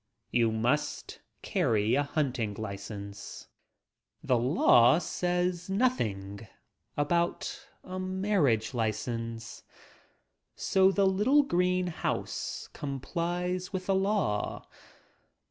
You must carry a hunting license. The law says nothing about a marriage license. So the little green house complies with the law.